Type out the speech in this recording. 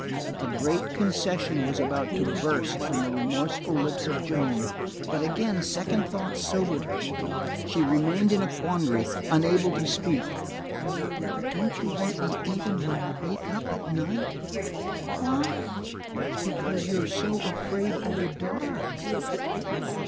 A great concession was about to burst from the remorseful lips of Joan, but again second thought sobered her. She remained in a quandary, unable to speak. "Don't you want me even when you wake up at night?" "Why?" "Because you're so afraid of the dark."